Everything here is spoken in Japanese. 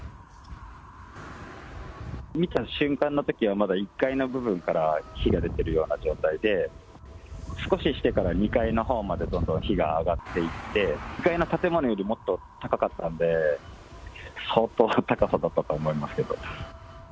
見た瞬間のときは、まだ１階の部分から火が出てるような状態で、少ししてから２階のほうまでどんどん火が上がっていって、２階の建物よりもっと高かったんで、相当な高さだったと思いますけど。